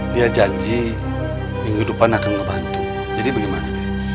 dia janji kehidupan akan ngebantu jadi bagaimana